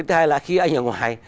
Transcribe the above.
thứ hai là khi anh ở ngoài